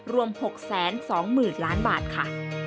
รวม๖๒๐๐๐ล้านบาทค่ะ